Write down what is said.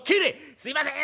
「すいません！